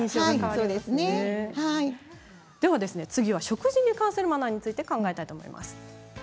次は食事に関するマナーについて考えたいと思います。